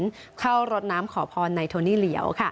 ผู้ตัดสินเข้ารถน้ำขอพรไนโทนี่เหลียว